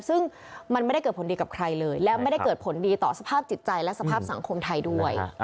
ซึ่งมันไม่ได้เกิดผลดีกับใครเลยและไม่ได้เกิดผลดีต่อสภาพจิตใจและสภาพสังคมไทยด้วย